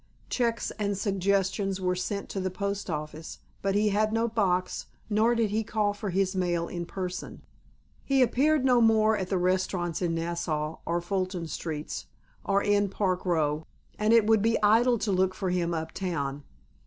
Cheques and suggestions were sent to the Post Office, but he had no box, nor did he call for his mail in person. He appeared no more at the restaurants in Nassau or Fulton Streets, or in Park Row, and it would be idle to look for him up town.